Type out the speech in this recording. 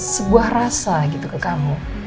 sebuah rasa gitu ke kamu